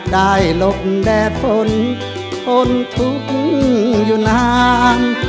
หลบแดดฝนทนทุกข์อยู่นาน